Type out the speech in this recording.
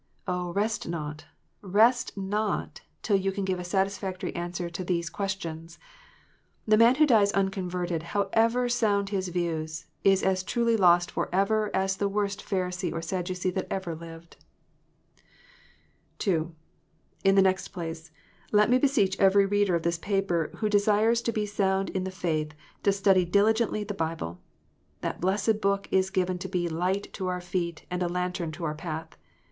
0, rest not, rest not, till you can give a satisfactory answer to these questions ! The man who dies unconverted, however sound his views, is as truly lost for ever as the worst Pharisee or Sadducee that ever lived. (2) In the next place, let me beseech every reader of this paper who desires to be sound in the faith, to study diligently the Bible. That blessed Book is given to be a light to our feet, and a lantern to our path.